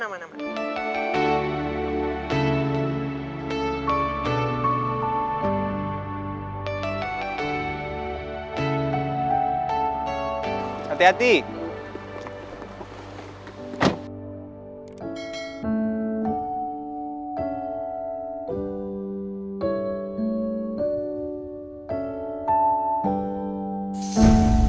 totah kamu ilah yang ada di dalam hatimu